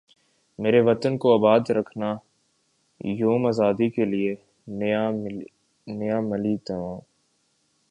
میرے وطن کو اباد رکھنایوم ازادی کے لیے نیا ملی نغمہ